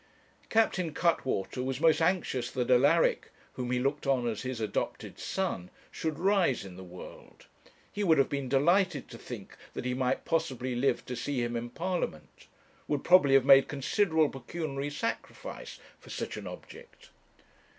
Captain Cuttwater was most anxious that Alaric, whom he looked on as his adopted son, should rise in the world; he would have been delighted to think that he might possibly live to see him in Parliament; would probably have made considerable pecuniary sacrifice for such an object.